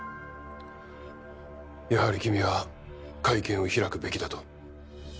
やはり君は会見を開くべきだと？